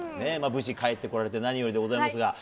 無事帰ってこられて何よりでございますが。